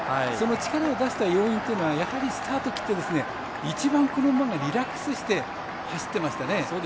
力を出せた要因はやはりスタートを切って一番、この馬がリラックスして走ってましたね。